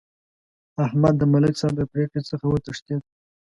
احمد د ملک صاحب له پرېکړې څخه وتښتېدا.